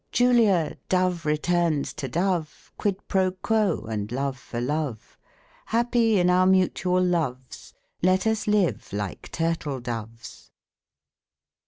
Julia, dove returns to dove, Quid pro quo, and love for love ; Happy in our mutual loves, Let us live like turtle doves